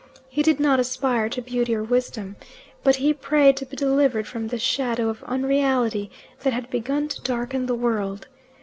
He did not aspire to beauty or wisdom, but he prayed to be delivered from the shadow of unreality that had begun to darken the world.